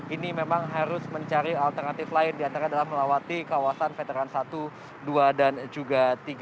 ini memang harus mencari alternatif lain diantara adalah melewati kawasan veteran satu dua dan juga tiga